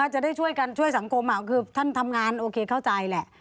จะได้ช่วยกันช่วยสังคมคือท่านทำงานโอเคเข้าใจแหละ